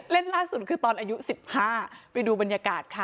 เล่นล่าสุดคือตอนอายุสิบห้าไปดูบรรยากาศค่ะ